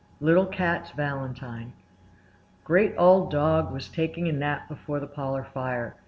LITTLE CAT'S VALENTINE Great Old Dog was taking a nap before the parlor fire.